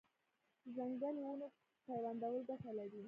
د ځنګلي ونو پیوندول ګټه لري؟